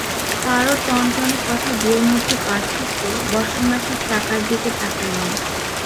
তারও টনটনে কথা দুইয়ের মধ্যে পার্থক্য, বসন মাসির টাকার দিকে তাকায়নি।